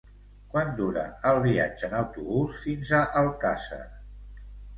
Quant dura el viatge en autobús fins a Alcàsser?